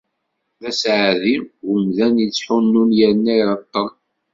D aseɛdi wemdan yettḥunnun yerna ireṭṭel.